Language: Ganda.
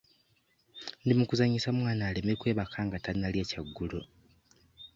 Ndi mu kuzannyisa mwana aleme kwebaka nga tannalya kyaggulo.